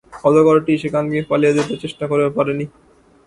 অজগরটি সেখান থেকে পালিয়ে যেতে চেষ্টা করেও পারেনি।